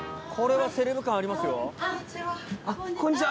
こんにちは。